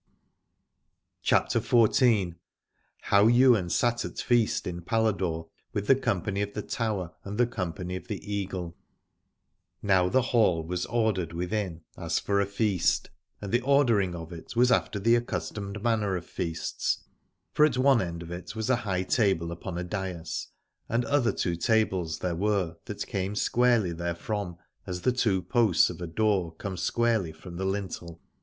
8i CHAPTER XIV. HOW YWAIN SAT AT FEAST IN PALADORE WITH THE COMPANY OF THE TOWER AND THE COMPANY OF THE EAGLE. Now the hall was ordered within as for a feast, and the ordering of it was after the accustomed manner of feasts : for at one end of it was a high table upon a dais, and other two tables there were that came squarely therefrom as the two posts of a door come squarely from the lintel.